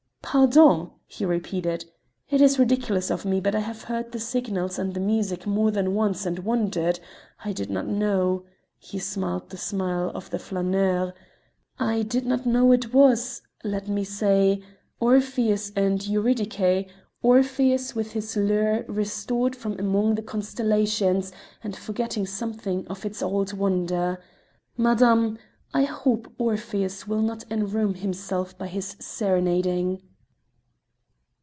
"Pardon!" he repeated. "It is ridiculous of me, but I have heard the signals and the music more than once and wondered. I did not know" he smiled the smile of the flâneur "I did not know it was, let me say, Orpheus and Eurydice, Orpheus with his lyre restored from among the constellations, and forgetting something of its old wonder. Madame, I hope Orpheus will not en rheum himself by his serenading."